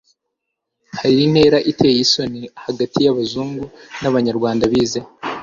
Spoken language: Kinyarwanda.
hari intera iteye isoni hagati y'abazungu n'abanyarwanda bize